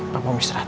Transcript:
papa mau istirahat